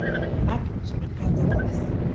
makis llamkadoras